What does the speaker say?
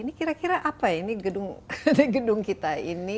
ini kira kira apa ini gedung kita ini